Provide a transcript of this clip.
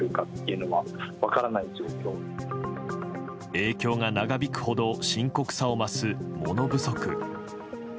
影響が長引くほど深刻さを増す物不足。